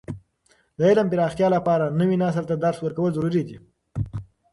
د علم د پراختیا لپاره، نوي نسل ته درس ورکول ضروري دي.